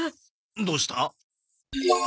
どうした？